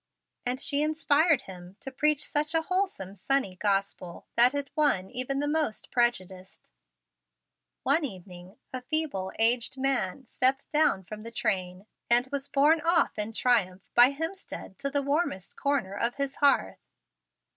And she inspired him to preach such a wholesome, sunny Gospel that it won even the most prejudiced. One evening, a feeble, aged man stepped down from the train, and was borne off in triumph by Hemstead to the warmest corner of his hearth.